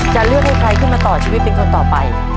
จะเลือกให้ใครขึ้นมาต่อชีวิตเป็นคนต่อไป